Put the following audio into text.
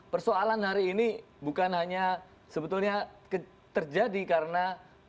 persoalan hari ini bukan hanya sebetulnya terjadi karena